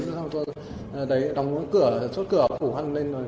xong rồi tôi đóng cửa xuất cửa phủ hăng lên rồi